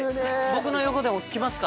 僕の横でも来ますか？